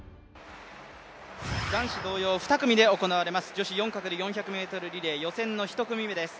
男子同様、２組で行われます女子４×１００ｍリレー、予選１組目です。